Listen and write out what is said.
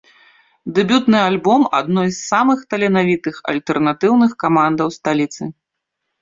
Дэбютны альбом адной з самых таленавітых альтэрнатыўных камандаў сталіцы.